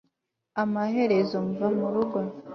amaherezo mva mu rugo